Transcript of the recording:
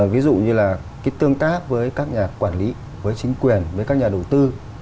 ví dụ như là cái tương tác với các nhà quản lý với chính quyền với các nhà đầu tư